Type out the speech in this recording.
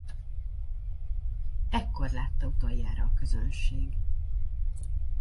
Ekkor látta utoljára közönség.